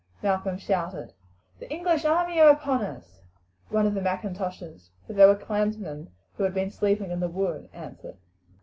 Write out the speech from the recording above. Malcolm shouted. "The English army are upon us!" one of the M'Intoshes for they were clansmen who had been sleeping in the wood answered.